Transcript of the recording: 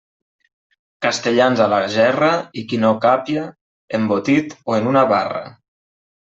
Castellans a la gerra, i qui no càpia, embotit, o en una barra.